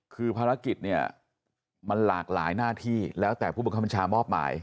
คือภารกิจเนี่ยมันหลากหลายหน้าที่แล้วแต่ผู้บังคับบัญชามอบหมาย